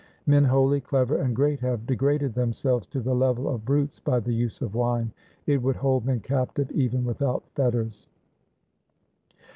Men holy, clever, and great have degraded themselves to the level of brutes by the use of wine. It would hold men captive even without fetters.'